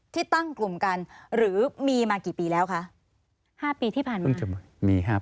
ที่ตั้งกลุ่มกันหรือมีมากี่ปีแล้วคะห้าปีที่ผ่านมามีครับ